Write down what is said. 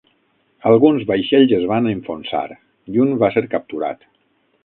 Alguns vaixells es van enfonsar i un va ser capturat.